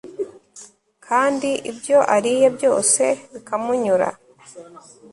kandi ibyo ariye byose bikamunyura